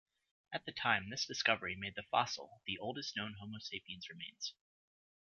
At the time, this discovery made the fossils the oldest known "Homo sapiens" remains.